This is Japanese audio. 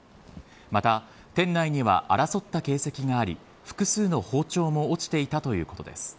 また、店内には争った形跡があり複数の包丁も落ちていたということです。